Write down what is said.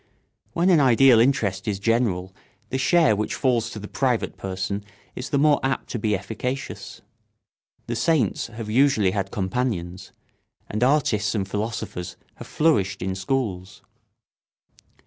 When an ideal interest is general the share which falls to the private person is the more apt to be efficacious. The saints have usually had companions, and artists and philosophers have flourished in schools.